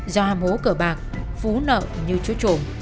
do hàm hố cỡ bạc phú nợ như chúa trộm